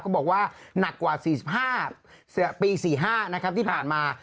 บอกว่าหนักกว่า๔๕ปี๔๕นะครับที่ผ่านมา